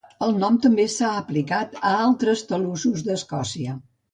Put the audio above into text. El nom també s'ha aplicat a altres talussos d'Escòcia.